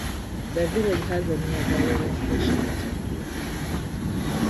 The village has a nearby Railway Station Chakia.